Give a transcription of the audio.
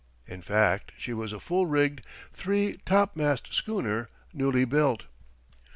In fact, she was a full rigged, three topmast schooner, newly built.